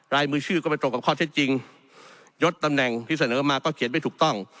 รายมือชื่อก็ไปตรงกับข้อเท็จจริงยดตำแหน่งที่เสนอมาก็เขียนไม่ถูกต้อง